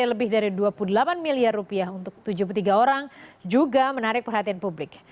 lebih dari dua puluh delapan miliar rupiah untuk tujuh puluh tiga orang juga menarik perhatian publik